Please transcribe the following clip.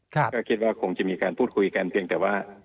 ก็คิดว่าคงจะมีการพูดคุยกันเพียงแต่ว่า